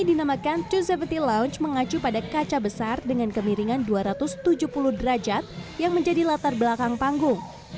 dinamakan dua ribu tujuh belas lounge mengacu pada kaca besar dengan kemiringan dua ratus tujuh puluh derajat yang menjadi latar belakang panggung